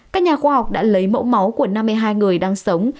các nhà khoa học đã lấy mẫu máu của năm mươi hai người đang sống